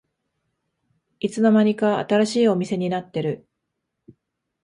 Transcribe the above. いつの間にか新しいお店になってる